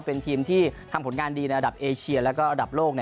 เป็นทีมที่ทำผลงานดีในระดับเอเชียแล้วก็ระดับโลก